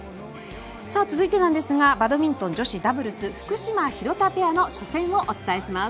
続いてなんですがバドミントン女子ダブルス福島、廣田ペアの初戦をお伝えします。